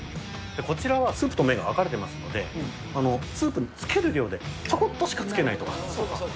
こちらはスープと麺が分かれてますので、スープにつける量で、ちょこっとしかつけないとか。